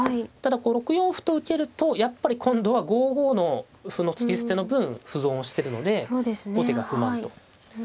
ただこう６四歩と受けるとやっぱり今度は５五の歩の突き捨ての分歩損してるので後手が不満と。